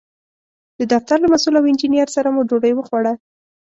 د دفتر له مسوول او انجینر سره مو ډوډۍ وخوړه.